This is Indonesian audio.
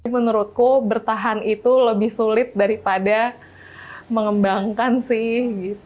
menurutku bertahan itu lebih sulit daripada mengembangkan sih